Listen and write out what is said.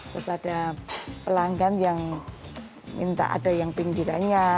terus ada pelanggan yang minta ada yang pinggirannya